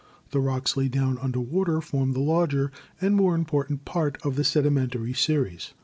The rocks laid down un der water form the larger and more important part of the sedimentary series.